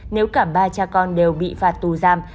nếu cả ba cha con đều bị phạt tù giam